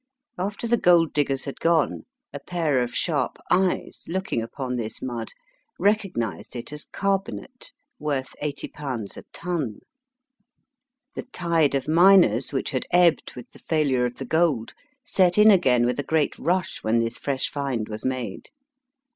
After the gold diggers had gone, a pair of sharp eyes, looking upon this mud, recognized it as carbonate, worth ^0 a ton. The tide of miners, which had ebbed with the failure of the gold, set in again with a great rush when this fresh find was made.